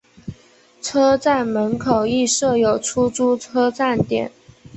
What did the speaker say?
车站门口亦设有出租车站点。